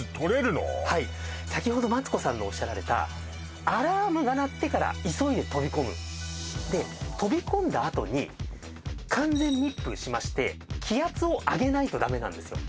先ほどマツコさんのおっしゃられたアラームが鳴ってから急いで飛び込むで飛び込んだあとに完全密封しまして気圧を上げないとダメなんですよ